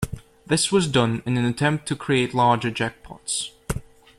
This was done in an attempt to create larger jackpots.